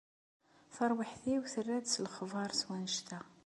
Tarwiḥt-iw terra-d s lexber s wannect-a.